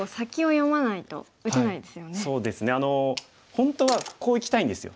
本当はこういきたいんですよ。